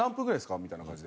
みたいな感じで。